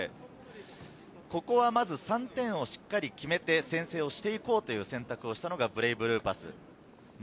ここはまず３点をしっかり決めて、先制をしていこうという選択をしたのがブレイブルーパス。